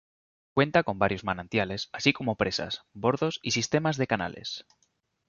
Cuenta con varios manantiales, así como presas, bordos y sistemas de canales.